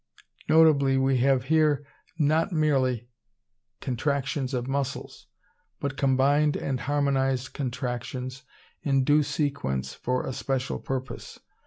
Notably we have here not merely contractions of muscles, but combined and harmonized contractions in due sequence for a special purpose.